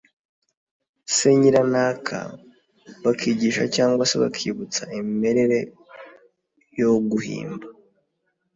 se nyiranaka”. Bakigisha cyangwa se bakibutsa imimerere yo guhimba